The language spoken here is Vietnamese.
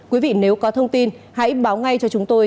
quý vị nếu có thông tin hãy báo ngay cho chúng tôi